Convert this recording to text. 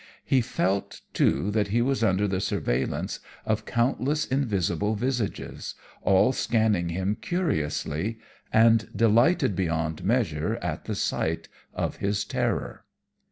He felt, too, that he was under the surveillance of countless invisible visages, all scanning him curiously, and delighted beyond measure at the sight of his terror.